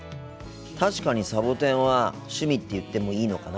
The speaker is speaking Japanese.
確かにサボテンは趣味って言ってもいいのかな。